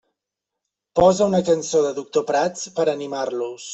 Posa una cançó de Doctor Prats per animar-los.